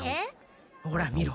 ほら見ろ。